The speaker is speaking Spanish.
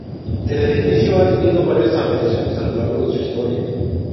El edificio ha tenido varias ampliaciones a lo largo de su historia.